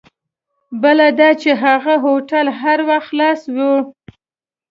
بله دا چې هغه هوټل هر وخت خلاص وي.